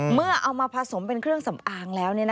เมื่อเอามาผสมเป็นเครื่องสำอางแล้ว